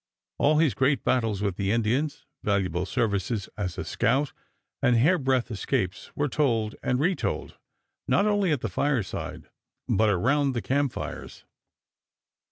All his great battles with the Indians, valuable services as a scout, and hairbreadth escapes were told and retold, not only at the fireside, but around the camp fires.